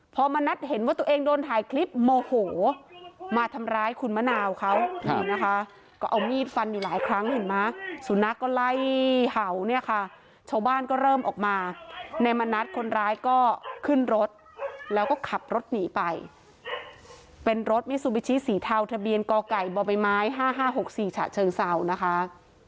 พอมณัฐเห็นว่าตัวเองโดนถ่ายคลิปโมโหมาทำร้ายคุณมะนาวเขานี่นะคะก็เอามีดฟันอยู่หลายครั้งเห็นไหมสุนัขก็ไล่เห่าเนี่ยค่ะชาวบ้านก็เริ่มออกมาในมณัฐคนร้ายก็ขึ้นรถแล้วก็ขับรถหนีไปเป็นรถมิซูบิชิสีเทาทะเบียนกไก่บใบไม้๕๕๖๔ฉะเชิงเศร้านะคะ